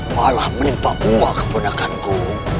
malah menimpa uak pemudakanku